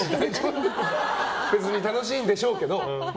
別に楽しいんでしょうけどま